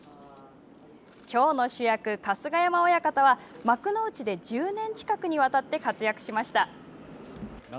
きょうの主役春日山親方は幕内で１０年近くにわたって活躍しました。